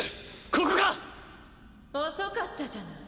ここか⁉遅かったじゃない。